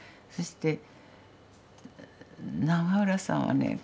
そして永浦さんはね